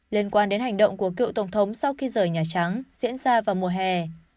liên quan đến hành động của cựu tổng thống sau khi rời nhà trắng diễn ra vào mùa hè